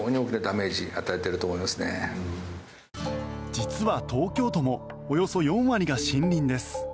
実は東京都もおよそ４割が森林です。